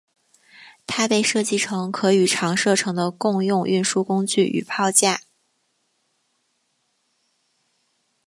它被设计成可与长射程的共用运输工具与炮架。